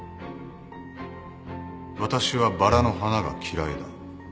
私はバラの花が嫌いだ。